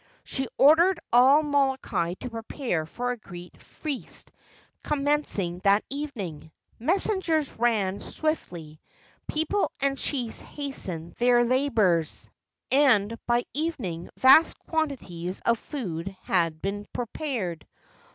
She ordered all Molokai to prepare for a great feast commencing that evening. Messengers ran swiftly, people and chiefs hastened their labors, and'by evening vast quantities of food had been prepared.